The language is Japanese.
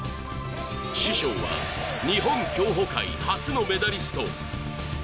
師匠は、日本競歩界初のメダリスト。